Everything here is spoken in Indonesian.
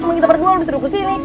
cuma kita berdua lu bisa duduk kesini